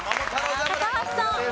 高橋さん。